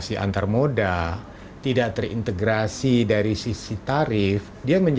yang mencapai lebih dari satu juta pengguna